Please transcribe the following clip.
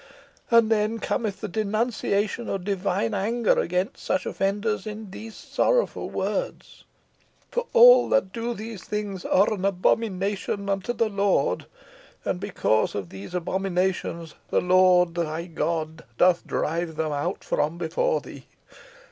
And then cometh the denunciation of divine anger against such offenders in these awful words: 'For all that do these things are an abomination unto the Lord: and because of these abominations, the Lord thy God doth drive them out from before thee.'